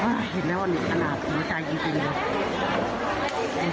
เห็นแล้วว่านี้ขนาดหัวใจจริง